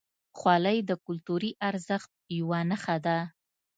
خولۍ د کلتوري ارزښت یوه نښه ده.